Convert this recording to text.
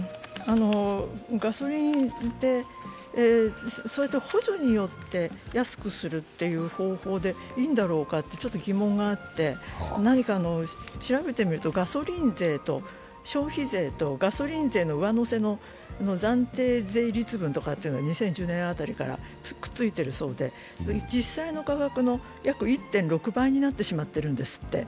ガソリンって補助によって安くするという方法でいいんだろうかとちょっと疑問があって、調べてみるとガソリン税と消費税とガソリン税の上乗せの暫定税率分というのは２０１０年辺りからくっついているそうで実際の価格の約１．６倍になっているんですって。